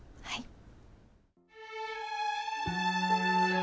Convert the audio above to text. はい。